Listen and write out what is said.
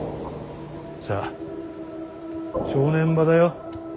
さあ正念場だよ